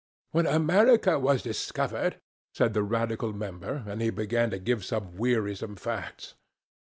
"When America was discovered," said the Radical member—and he began to give some wearisome facts.